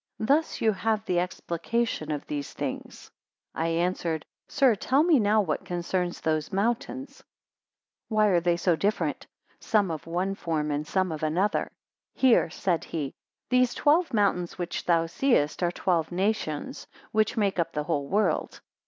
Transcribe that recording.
160 Thus you have the explication of these things. 161 I answered: Sir, tell me now what concerns those mountains; why are they so different, some of one form, and some of another? 162 Hear, said he; These twelve mountains which thou seest, are twelve nations, which make up the whole world.